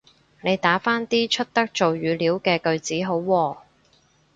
你打返啲出得做語料嘅句子好喎